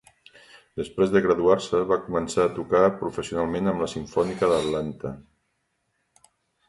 Després de graduar-se, va començar a tocar professionalment amb la Simfònica d'Atlanta.